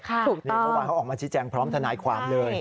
ถูกต้องเพราะว่าเขาออกมาชิดแจงพร้อมทนายความเลย